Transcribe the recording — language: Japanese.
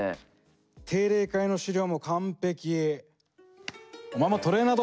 定例会の資料も完璧。